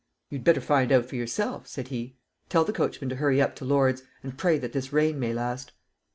"You'd better find out for yourself," said he. "Tell the coachman to hurry up to Lord's and pray that this rain may last!"